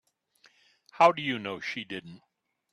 How do you know she didn't?